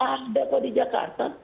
ada kok di jakarta